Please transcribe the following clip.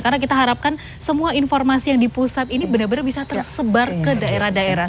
karena kita harapkan semua informasi yang di pusat ini benar benar bisa tersebar ke daerah daerah